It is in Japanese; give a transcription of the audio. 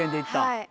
はい。